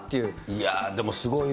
いや、でもすごいよ。